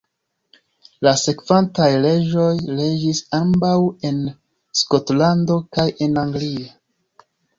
La sekvantaj reĝoj reĝis ambaŭ en Skotlando kaj en Anglio.